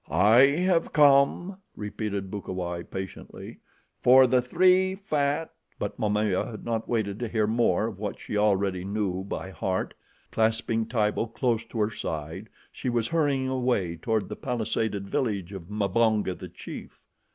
"I have come," repeated Bukawai patiently, "for the three fat " But Momaya had not waited to hear more of what she already knew by heart. Clasping Tibo close to her side, she was hurrying away toward the palisaded village of Mbonga, the chief.